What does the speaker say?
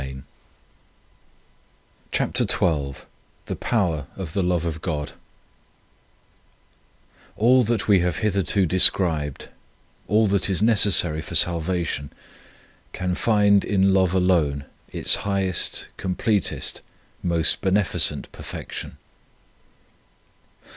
75 CHAPTER XII THE POWER OF THE LOVE OF GOD ALL that we have hitherto described, all that is necessary for salvation, can find in love alone its highest, completest, most bene ficent perfection.